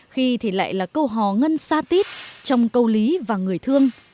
khi thì lại là câu hò ngân sa tít trong câu lý và người thương